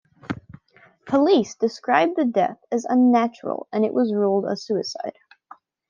Police described the death as "unnatural" and it was ruled a suicide.